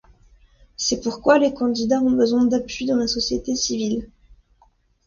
C'est pourquoi les candidats ont besoin d'appuis dans la société civile.